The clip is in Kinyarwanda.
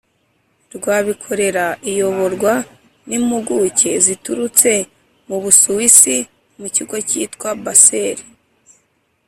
rw Abikorera iyoborwa n impuguke ziturutse mu Busuwisi mu kigo cyitwa Basel